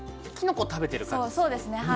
きのこ食べてる感じですよ。